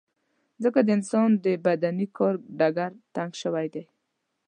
ځکه د انسان د بدني کار ډګر تنګ شوی دی.